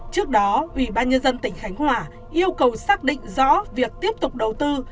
trước đó ủy ban nhân dân tỉnh khánh hòa yêu cầu xác định rõ việc tiếp tục đầu tư